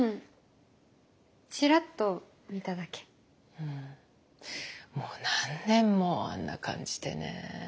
うんもう何年もあんな感じでね。